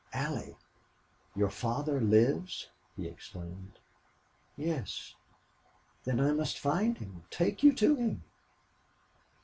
"Allie!... Your father lives!" he exclaimed. "Yes." "Then I must find him take you to him."